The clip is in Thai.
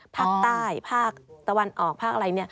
ภาคใต้ภาคตะวันออกภาคอะไร